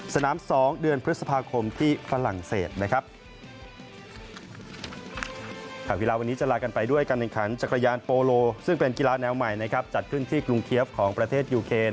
สนาม๒เดือนพฤษภาคมที่ฝรั่งเศส